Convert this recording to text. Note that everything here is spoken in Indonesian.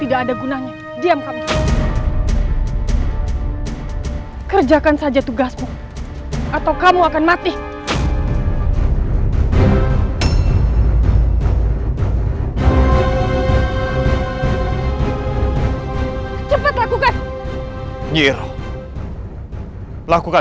aku menyesal membantumu bibir ratu